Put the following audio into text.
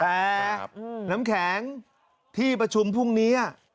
แต่น้ำแข็งที่ประชุมพรุ่งนี้อ่ะ๒๒อ่ะ